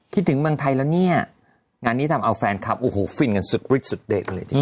คิดถึงเมืองไทยแล้วเนี่ยงานนี้ทำเอาแฟนคลับโอ้โหฟินกันสุดริดสุดเด็ดเลย